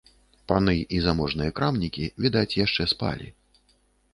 Паны і заможныя крамнікі, відаць, яшчэ спалі.